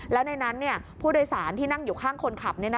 แล้วในนั้นผู้โดยสารที่นั่งอยู่ข้างคนขับ